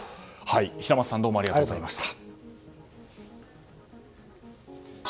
平松さん、どうもありがとうございました。